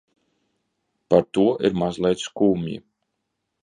Par to ir mazliet skumji.